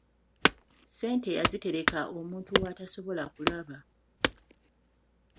Ssente yaziterekka omuntu w'atasobola kulaba.